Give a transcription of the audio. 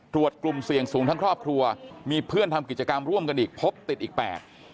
กลุ่มเสี่ยงสูงทั้งครอบครัวมีเพื่อนทำกิจกรรมร่วมกันอีกพบติดอีกแปด